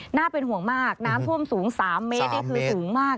น่าเป็นห่วงมากน้ำท่วมสูง๓เมตรนี่คือสูงมาก